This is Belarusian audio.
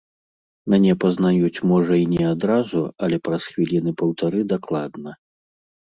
Мяне пазнаюць, можа, і не адразу, але праз хвіліны паўтары дакладна.